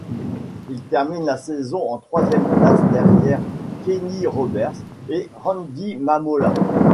Il termine la saison en troisième place derrière Kenny Roberts et Randy Mamola.